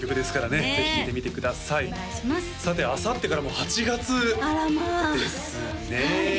さてあさってからもう８月ですね